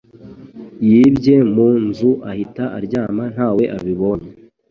Yibye mu nzu ahita aryama ntawe abibonye.